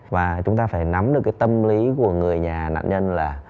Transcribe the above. và chúng ta phải nắm được cái tâm lý của người nhà nạn nhân là